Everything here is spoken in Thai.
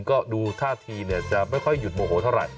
ก็ดูท่าทีจะไม่ค่อยหยุดโมโหเท่าไหร่